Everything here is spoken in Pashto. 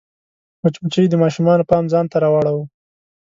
مچمچۍ د ماشومانو پام ځان ته رااړوي